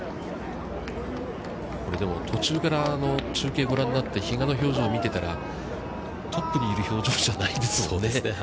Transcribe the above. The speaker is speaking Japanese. これ、途中から中継をご覧になって、比嘉の表情を見てたら、トップにいる表情じゃないですよね。